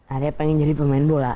akhirnya pengen jadi pemain bola